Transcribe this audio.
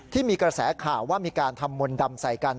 ที่มีกระแสข่าวว่ามีการทำมนต์ดำใส่กัน